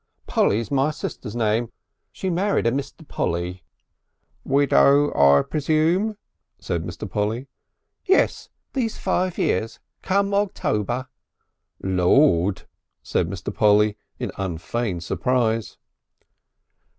"Polly's my sister's name. She married a Mr. Polly." "Widow I presume?" said Mr. Polly. "Yes. This five years come October." "Lord!" said Mr. Polly in unfeigned surprise.